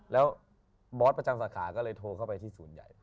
แล้วบอสประจำสาขาก็เลยโทรเข้าไปที่ศูนย์ใหญ่